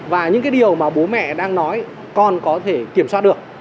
và những cái điều mà bố mẹ đang nói con có thể kiểm soát được